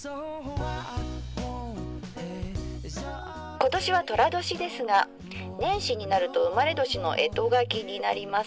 「今年は寅年ですが年始になると生まれ年の干支が気になります。